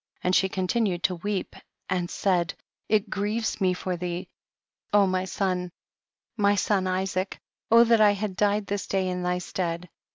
And she continued to weep and said, it grieves me for thee, O my son, my son Isaac, that I had died this day in thy stead.